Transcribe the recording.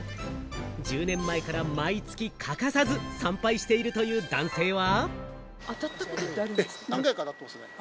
１０年前から毎月欠かさず、参拝しているという男性は。